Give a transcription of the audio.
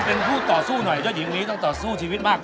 เป็นผู้ต่อสู้หน่อยเจ้าหญิงนี้ต้องต่อสู้ชีวิตมาก